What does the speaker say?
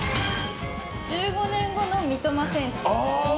１５年後の三苫選手。